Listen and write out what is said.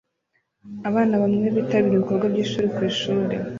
Abana bamwe bitabira ibikorwa byishuri kwishuri